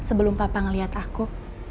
sebelum papa melihat aku